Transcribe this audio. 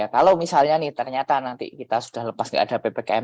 kalau misalnya nih ternyata nanti kita sudah lepas tidak ada ppkm